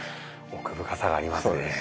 奥深さがありますね。